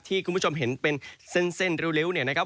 ที่คุณผู้ชมเห็นเป็นเส้นเร็วนะครับ